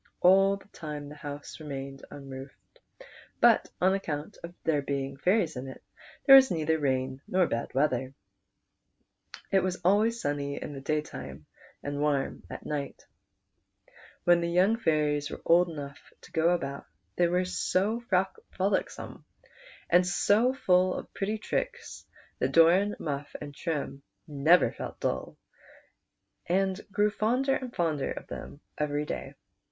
All that time the house remained unroofed ; but on account of there being fairies in it, there was neither rain nor bad weather. PRINCE DOR AN. i6i It was always sunny in the daytime and warm at night. Wlien the young fairies were old enough to go about they were so frolicsome and so full of pretty tricks that Doran, Muff, and Trim never felt dull, and grew fonder and fonder of them every day.